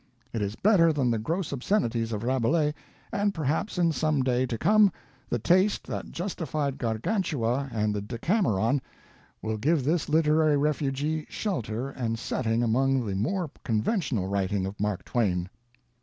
It is better than the gross obscenities of Rabelais, and perhaps in some day to come, the taste that justified Gargantua and the Decameron will give this literary refugee shelter and setting among the more conventional writing of Mark Twain.